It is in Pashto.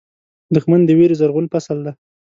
دښمن د وېرې زرغون فصل دی